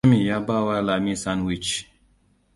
Jami ya bawa Lamiam sandwich.